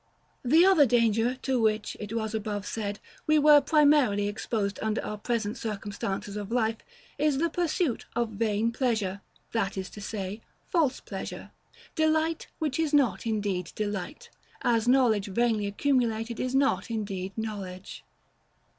§ XXIX. The other danger to which, it was above said, we were primarily exposed under our present circumstances of life, is the pursuit of vain pleasure, that is to say, false pleasure; delight, which is not indeed delight; as knowledge vainly accumulated, is not indeed knowledge.